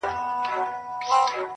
o ه چیري یې د کومو غرونو باد دي وهي.